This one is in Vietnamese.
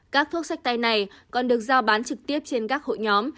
các thuốc sách tay này còn được giao bán trực tiếp trên các hội nhóm